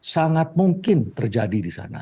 sangat mungkin terjadi di sana